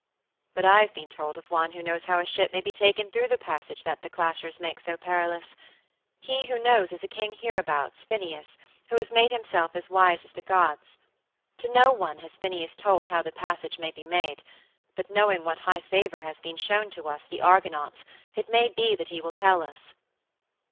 "But I have been told of one who knows how a ship may be taken through the passage that The Clashers make so perilous. He who knows is a king hereabouts, Phineus, who has made himself as wise as the gods. To no one has Phineus told how the passage may be made, but knowing what high favor has been shown to us, the Argonauts, it may be that he will tell us."